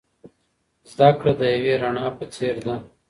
زده کړه د یوې رڼا په څیر ده.